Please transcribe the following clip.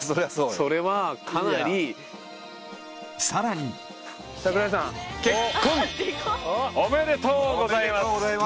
それはかなりさらに櫻井さんおめでとうございます